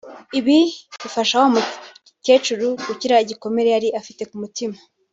ibi bifasha wa mukecuru gukira igikomere yari afite ku mutima